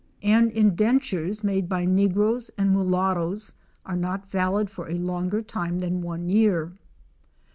And indentures made by negroes and mulattoes are not valid for a longer time than one year.